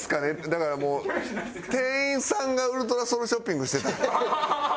だからもう店員さんがウルトラソウルショッピングしてた。